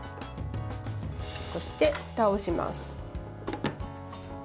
そして、ふたをします。